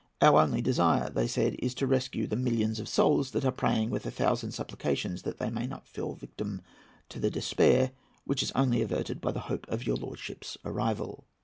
"Our only desire." they said, "is to rescue the millions of souls that are praying with a thousand supplications that they may not fall victims to the despair which is only averted by the hope of your lordship's arrival."